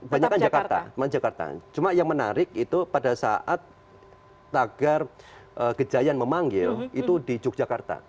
banyakkan jakarta cuma yang menarik itu pada saat tagar kejayaan memanggil itu di yogyakarta